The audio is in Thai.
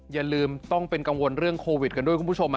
อย่าลืมต้องเป็นกังวลเรื่องโควิดกันด้วยคุณผู้ชม